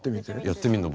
やってみんの？